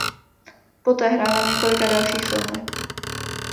Poté hrála v několika dalších filmech.